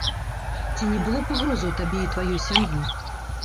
Ці не было пагрозаў табе і тваёй сям'і?